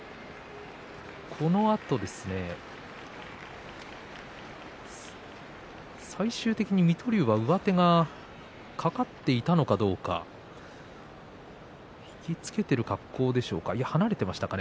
このあと最終的に水戸龍は上手が掛かっていたのかどうか引き付けている格好でしょうか離れていましたかね。